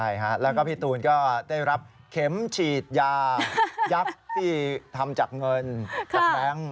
ใช่ฮะแล้วก็พี่ตูนก็ได้รับเข็มฉีดยายักษ์ที่ทำจากเงินจากแบงค์